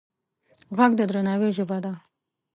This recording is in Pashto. غږ د درناوي ژبه ده